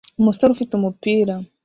Umusore ufite umupira